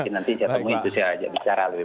nanti saya temui saya bicara lebih